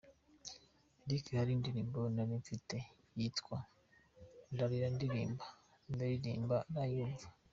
Lick hari indirimbo nari mfite yitwaga ndarira ndirimba ndayiririmba arayumva.